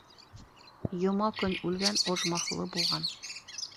Йома көн үлгән ожмахлы булған.